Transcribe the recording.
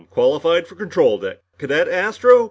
Qualified for control deck. Cadet Astro.